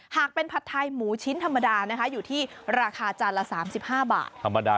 หากเป็นผัดไทยหมูชิ้นธรรมดานะคะอยู่ที่ราคาจานละ๓๕บาท